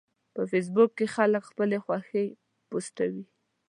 په فېسبوک کې خلک خپلې خوښې پوسټوي